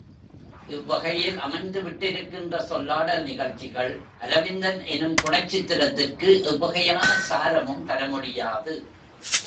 இவ்வகையில் அமைந்துவிட்டிருக்கின்ற சொல்லாடல் நிகழ்ச்சிகள் அரவிந்தன் எனும் குணச்சித்திரத்திற்கு எவ்வகையான சாரமும் தரமுடியாது.